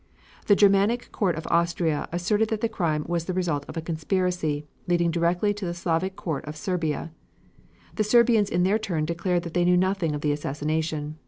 The Germanic court of Austria asserted that the crime was the result of a conspiracy, leading directly to the Slavic court of Serbia. The Serbians in their turn declared that they knew nothing of the assassination.